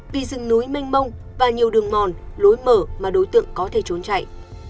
vì rừng núi mênh mông và nhiều đường mòn lối mở mà đối tượng có thể trốn chạy